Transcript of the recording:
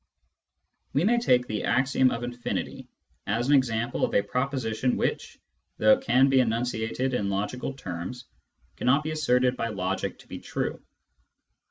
We may take the axiom of infinity as an example of a pro position which, though it can be enunciated in logical terms, Mathematics and Logic 203 cannot be asserted by logic to be true.